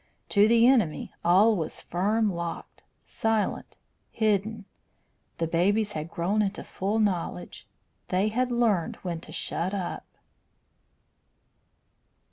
To the enemy all was firm locked, silent, hidden. The babies had grown into full knowledge; they had learned when to shut up.